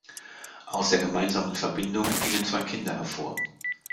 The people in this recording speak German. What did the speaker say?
Aus der gemeinsamen Verbindung gingen zwei Kinder hervor.